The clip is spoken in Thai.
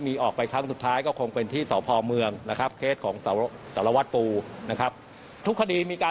มีการระบุชื่อผู้รับชัดเจน